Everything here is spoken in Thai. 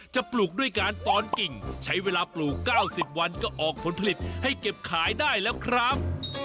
ปลูกด้วยการตอนกิ่งใช้เวลาปลูก๙๐วันก็ออกผลผลิตให้เก็บขายได้แล้วครับ